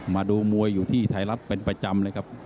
มาดูมวยอยู่ที่ไทยรัฐเป็นประจำเลยครับ